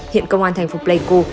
hiện công an thành phố pleiku